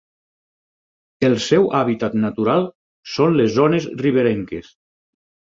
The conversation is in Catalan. El seu hàbitat natural són les zones riberenques.